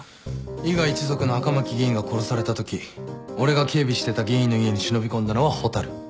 伊賀一族の赤巻議員が殺されたとき俺が警備してた議員の家に忍び込んだのは蛍。